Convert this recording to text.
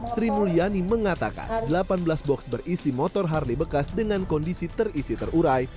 sri mulyani mengatakan delapan belas box berisi motor harley bekas dengan kondisi terisi terurai